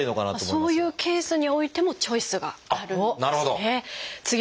そういうケースにおいてもチョイスがあるんですね。